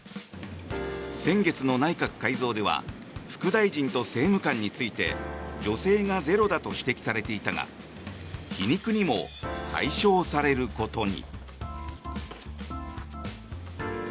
先月の内閣改造では副大臣と政務官について女性がゼロだと指摘されていたが皮肉にも解消されることに。